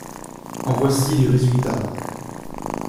En voici les résultats.